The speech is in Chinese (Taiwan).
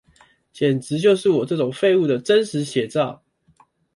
簡直就是我這種廢物的真實寫照